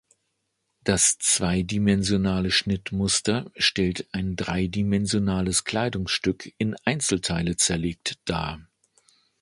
Das zweidimensionale Schnittmuster stellt ein dreidimensionales Kleidungsstück in Einzelteile zerlegt dar.